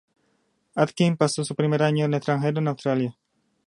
Atkins pasó su primer año en el extranjero en Australia.